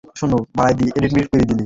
নায়না, আমার কথা শুনো।